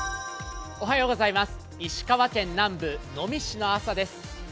石川県南部能美市の朝です。